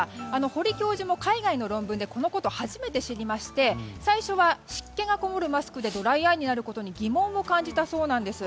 堀教授も海外の論文でこのことを初めて知りまして最初は湿気がこもるマスクでドライアイになることに疑問を感じたそうです。